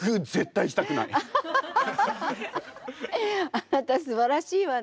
あなたすばらしいわね。